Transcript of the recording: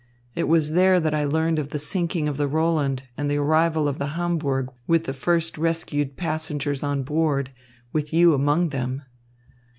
It was there that I learned of the sinking of the Roland and the arrival of the Hamburg with the first rescued passengers on board, with you among them."